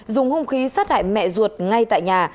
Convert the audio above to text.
dùng hung khí sát hại mẹ ruột ngay tại nhà